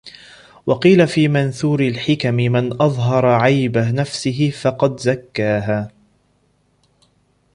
وَقِيلَ فِي مَنْثُورِ الْحِكَمِ مَنْ أَظْهَرَ عَيْبَ نَفْسِهِ فَقَدْ زَكَّاهَا